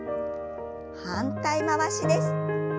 反対回しです。